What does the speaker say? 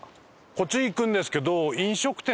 こっち行くんですけど。